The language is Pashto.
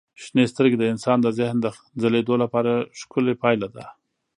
شنې سترګې د انسان د ذهن د ځلېدو لپاره ښکلي پایله ده.